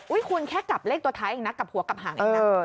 อุ๊ยคุณแค่กับเลขตัวท้ายอีกนะกับหัวกับห่างอีกนะ